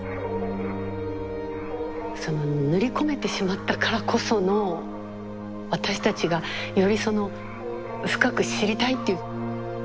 その塗り込めてしまったからこその私たちがよりその深く知りたいっていう。